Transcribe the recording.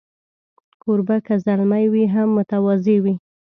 کوربه که زلمی وي، هم متواضع وي.